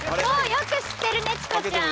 よく知ってるねチコちゃん。